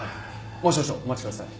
もう少々お待ちください。